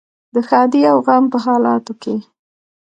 د ښادۍ او غم په حالاتو کې.